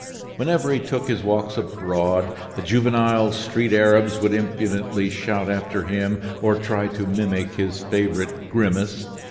Whenever he took his walks abroad, the juvenile street Arabs would impudently shout after him or try to mimic his favorite grimace.